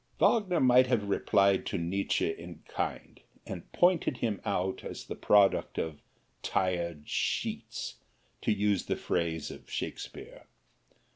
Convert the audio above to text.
Wagner might have replied to Nietzsche in kind, and pointed him out as the product of "tired sheets," to use the phrase of Shakespeare.